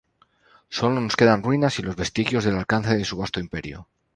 Sólo nos quedan ruinas y los vestigios del alcance de su vasto imperio.